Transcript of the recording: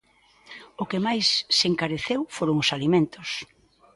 O que máis se encareceu foron os alimentos.